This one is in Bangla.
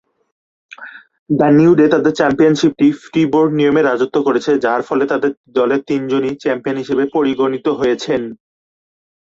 দ্য নিউ ডে তাদের চ্যাম্পিয়নশিপটি ফ্রি-বার্ড নিয়মে রাজত্ব করেছে, যার ফলে তাদের দলের তিনজনই চ্যাম্পিয়ন হিসেবে পরিগণিত হয়েছেন।